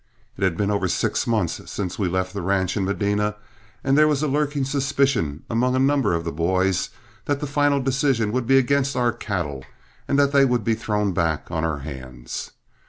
It had been over six months since we left the ranch in Medina, and there was a lurking suspicion among a number of the boys that the final decision would be against our cattle and that they would be thrown back on our hands.